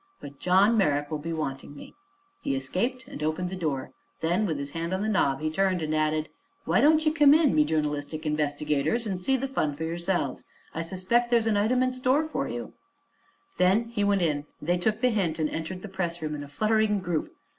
But John Merrick will be wanting me." He escaped and opened the door. Then, with his hand on the knob, he turned and added: "Why don't ye come in, me journalistic investigators, and see the fun for yerselves? I suspect there's an item in store for ye." Then he went in, and they took the hint and entered the pressroom in a fluttering group.